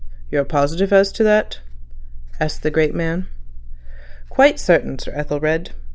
"You are positive as to that?" asked the great man. "Quite certain, Sir Ethelred.